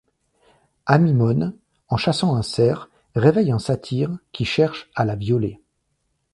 Amymone, en chassant un cerf, réveille un satyre, qui cherche à la violer.